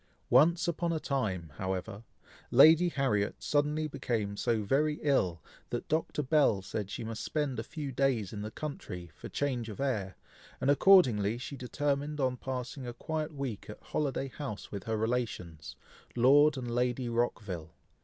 Once upon a time, however, Lady Harriet suddenly became so very ill, that Dr. Bell said she must spend a few days in the country, for change of air, and accordingly she determined on passing a quiet week at Holiday House with her relations, Lord and Lady Rockville.